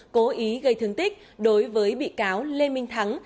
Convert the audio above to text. cố ý gây thương tích đối với bị cáo lê minh thắng